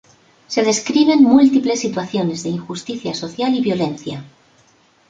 Se describen múltiples situaciones de injusticia social y violencia.